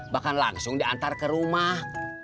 bahkan langsung diantar ke rumah